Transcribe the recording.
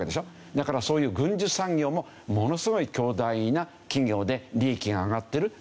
だからそういう軍需産業もものすごい巨大な企業で利益が上がってるっていう。